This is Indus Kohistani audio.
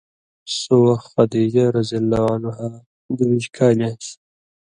سو وخ خدیجہرض دُوبیۡش کالیۡ آن٘سیۡ